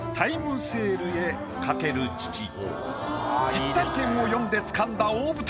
実体験を詠んでつかんだ大舞台。